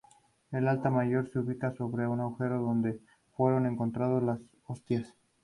El altar mayor se ubica sobre el agujero donde fueron encontradas las hostias.